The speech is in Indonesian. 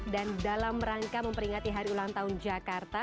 dan dalam rangka memperingati hari ulang tahun jakarta